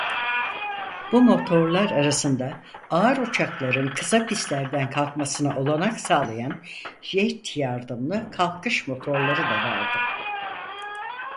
Bu motorlar arasında ağır uçakların kısa pistlerden kalkmasına olanak sağlayan jet yardımlı kalkış motorları da vardı.